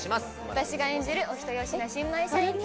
私が演じるお人よしの新米社員と。